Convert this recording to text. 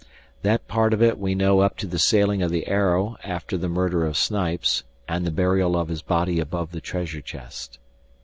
That part of it we know up to the sailing of the Arrow after the murder of Snipes, and the burial of his body above the treasure chest.